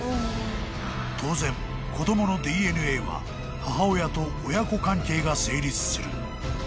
［当然子供のＤＮＡは母親と親子関係が成立する］